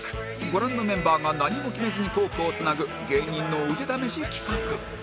ご覧のメンバーが何も決めずにトークをつなぐ芸人の腕試し企画